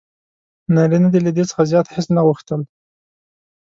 نارینه له دې څخه زیات هیڅ نه غوښتل: